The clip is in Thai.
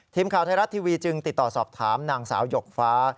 ทีมข่าวไทยรัฐทีวีจึงติดต่อสอบถามนางสาวหยกฟ้า